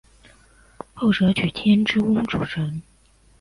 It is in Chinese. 后者娶天之瓮主神。